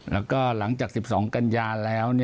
แล้วก็หลังจาก๑๒กันยาแล้ว